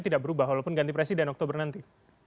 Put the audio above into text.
tidak berubah walaupun ganti presiden oktober nanti